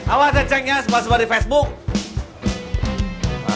awas ya ceng ya sebar sebar di facebook